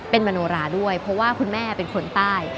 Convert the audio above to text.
เป็นมโนราด้วยเพราะว่าคุณแม่เป็นคนใต้